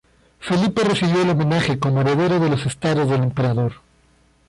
Felipe recibió el homenaje como heredero de los estados del emperador.